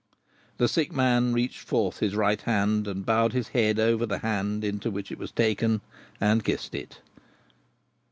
The sick man reached forth his right hand, and bowed his head over the hand into which it was taken and kissed it.